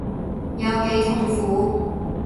有幾痛苦